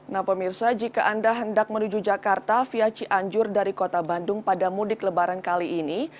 nah pemirsa jika anda hendak menuju jakarta via cianjur dari kota bandung pada mudik lebaran kali ini